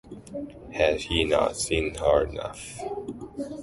Had he not seen her enough?